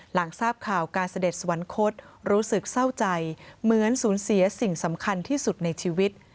หลังทราบข่าวการเสด็จสวรรคตรู้สึกเศร้าใจเหมือนสูญเสียสิ่งสำคัญที่สุดในชีวิต